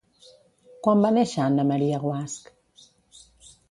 Quan va néixer Anna Maria Guasch?